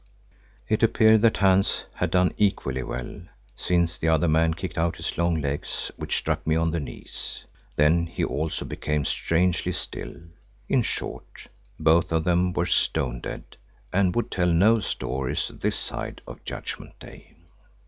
It appeared that Hans had done equally well, since the other man kicked out his long legs, which struck me on the knees. Then he also became strangely still. In short, both of them were stone dead and would tell no stories this side of Judgment Day.